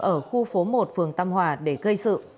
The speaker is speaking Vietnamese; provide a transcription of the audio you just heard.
ở khu phố một phường tam hòa để gây sự